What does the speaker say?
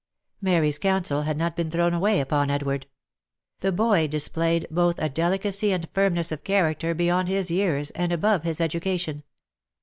Mary's counsel had not been thrown away upon Edward. The boy displayed both a delicacy and firmness of character beyond his years, and above his education.